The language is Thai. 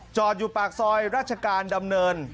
จอดอยู่ปากซอยราชการดำเนิน